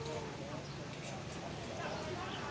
สวัสดีครับทุกคน